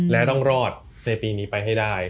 และต้องรอดในปีนี้ไปให้ได้